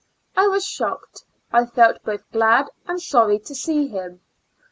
I was shocked, I felt both glad and sorry to see him.